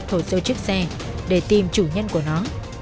cảnh sát giao thông truy xuất hồ sơ chiếc xe để tìm chủ nhân của nó